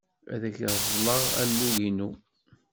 Ad ak-reḍleɣ alug-inu.